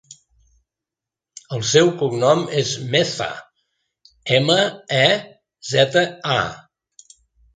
El seu cognom és Meza: ema, e, zeta, a.